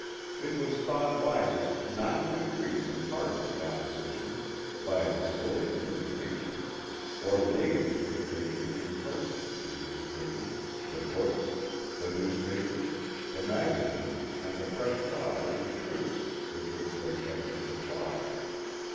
It was thought wisest not to increase and harden the opposition by a display of indignation, or ladies would have taken to him in person, in his prison, the books, the newspapers, the magazines and the fresh flowers and fruits with which they kept him supplied.